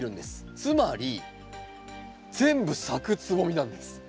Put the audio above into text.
つまり全部咲くつぼみなんです。